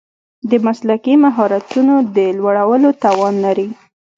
د مسلکي مهارتونو د لوړولو توان لري.